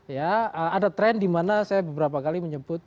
ya ada tren di mana saya beberapa kali menyebut